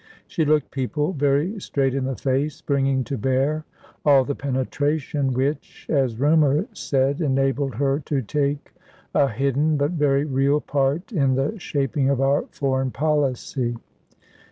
She looked people very straight in the face, bringing to bear all the penetration which, as rumour said, enabled her to take a hidden, but very real part in the shaping of our foreign policy.